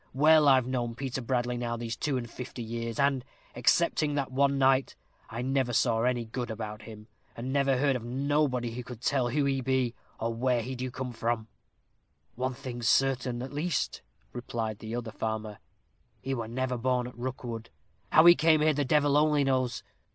Well, I've known Peter Bradley now these two and fifty years, and, excepting that one night, I never saw any good about him, and never heard of nobody who could tell who he be, or where he do come from." "One thing's certain, at least," replied the other farmer "he were never born at Rookwood. How he came here the devil only knows.